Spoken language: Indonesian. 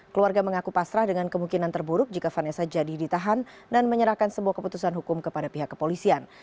keluarga mengaku pasrah dengan kemungkinan terburuk jika vanessa jadi ditahan dan menyerahkan sebuah keputusan hukum kepada pihak kepolisian